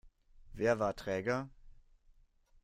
Wer war träger?